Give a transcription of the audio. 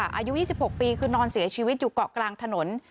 อายุ๒๖ปีคือนอนเสียชีวิตอยู่เกาะกลางถนน